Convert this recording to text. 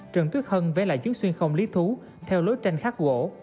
trần tuyết hân vẽ lại chứng xuyên không lý thú theo lối tranh khắc gỗ